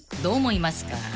どう思いますか？］